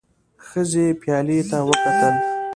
ښځې پيالې ته وکتل.